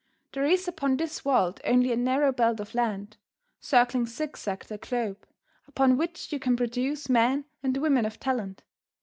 There is upon this world only a narrow belt of land, circling zigzag the globe, upon which you can produce men and women of talent.